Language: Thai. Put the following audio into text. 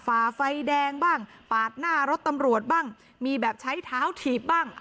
ฝ่าไฟแดงบ้างปาดหน้ารถตำรวจบ้างมีแบบใช้เท้าถีบบ้าง